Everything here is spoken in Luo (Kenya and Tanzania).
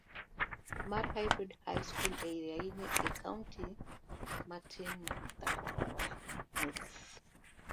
mar Hybrid High School e Iriaini, e kaunti matin mar Tharaka North.